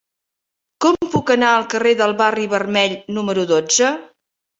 Com puc anar al carrer del Barri Vermell número dotze?